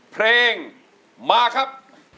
เพลงมาครับ